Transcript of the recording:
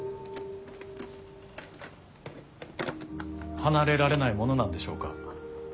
離れられないものなんでしょうか。